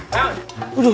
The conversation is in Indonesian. kagak apa ya toh